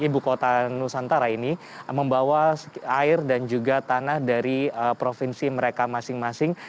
ibu kota nusantara ini membawa air dan juga tanah dari provinsi mereka masing masing